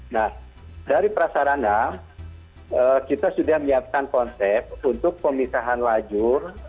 nah dari prasarana kita sudah menyiapkan konsep untuk pemisahan lajur